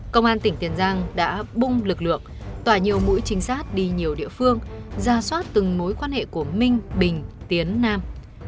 công an tỉnh tiền giang đã bung lực lượng tỏa nhiều mũi trinh sát đi nhiều địa phương ra soát từng mối quan hệ của minh bình tiến nam